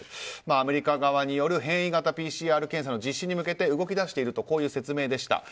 アメリカ側による変異型ＰＣＲ検査実施に向けて動き出しているという説明でした。